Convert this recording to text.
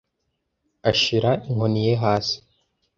Ashira inkoni ye hasi;